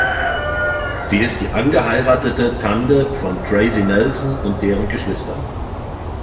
Sie ist die angeheiratete Tante von Tracy Nelson und deren Geschwistern.